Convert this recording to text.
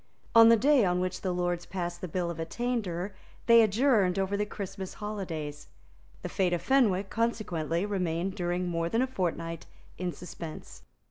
On the day on which the Lords passed the Bill of Attainder, they adjourned over the Christmas holidays. The fate of Fenwick consequently remained during more than a fortnight in suspense.